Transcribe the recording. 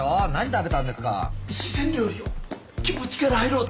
気持ちから入ろうと。